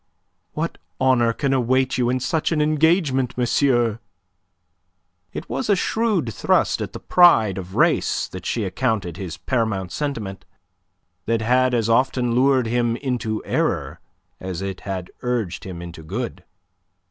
"What honour can await you in such an engagement, monsieur?" It was a shrewd thrust at the pride of race that she accounted his paramount sentiment, that had as often lured him into error as it had urged him into good.